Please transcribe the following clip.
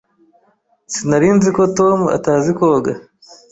Sinari nzi ko Tom atazi koga.